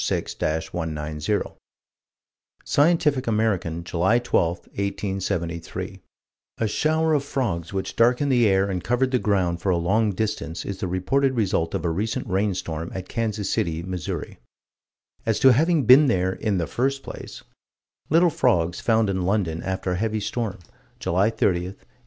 Scientific American, July 12, 1873: "A shower of frogs which darkened the air and covered the ground for a long distance is the reported result of a recent rainstorm at Kansas City, Mo." As to having been there "in the first place": Little frogs found in London, after a heavy storm, July 30, 1838.